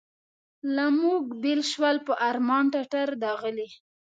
له موږ بېل شول په ارمان ټټر داغلي.